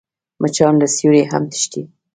مچان له سیوري هم تښتي